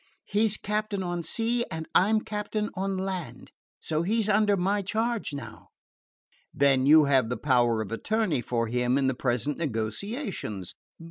He 's captain on sea, and I 'm captain on land. So he 's under my charge now." "Then you have the power of attorney for him in the present negotiations?